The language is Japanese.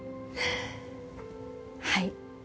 「はい。